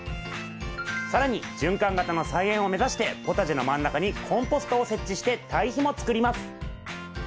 更に循環型の菜園を目指してポタジェの真ん中にコンポストを設置して堆肥も作ります。